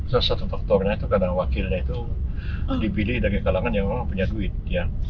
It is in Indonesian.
salah satu faktornya itu karena wakilnya itu dipilih dari kalangan yang memang punya duit ya